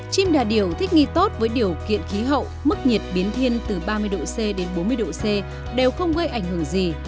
chim đà điểu thích nghi tốt với điều kiện khí hậu mức nhiệt biến thiên từ ba mươi độ c đến bốn mươi độ c đều không gây ảnh hưởng gì